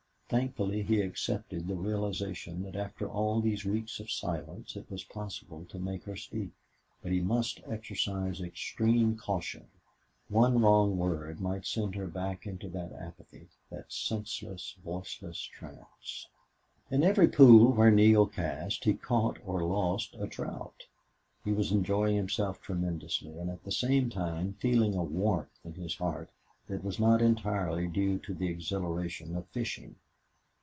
Thankfully he accepted the realization that after all these weeks of silence it was possible to make her speak. But he must exercise extreme caution. One wrong word might send her back into that apathy that senseless, voiceless trance. In every pool where Neale cast he caught or lost a trout. He was enjoying himself tremendously and at the same time feeling a warmth in his heart that was not entirely due to the exhilaration of fishing.